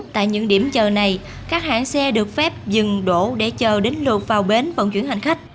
tại những điểm chờ này các hãng xe được phép dừng đổ để chờ đến lượt vào bến vận chuyển hành khách